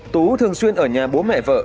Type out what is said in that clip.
tú thường xuyên ở nhà bố mẹ vợ